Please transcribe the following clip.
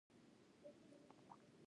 ایا زه میوه خوړلی شم؟